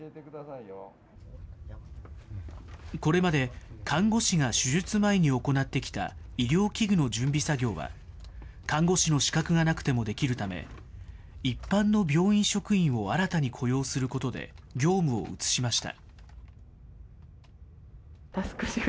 これまで看護師が手術前に行ってきた医療器具の準備作業は、看護師の資格がなくてもできるため、一般の病院職員を新たに雇用することで業務を移しました。